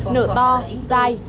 nở to dai